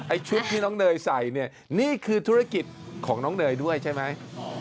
ชุดที่น้องเนยใส่เนี่ยนี่คือธุรกิจของน้องเนยด้วยใช่ไหม